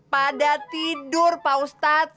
pada tidur pak ustadz